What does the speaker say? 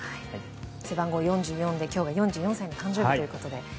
背番号４４で今日が４４歳の誕生日ということで。